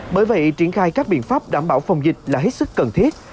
bởi vậy triển khai các biện pháp đảm bảo phòng dịch là hết sức cần thiết